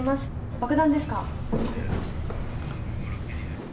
爆弾ですか。